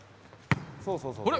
そうそうそうそう。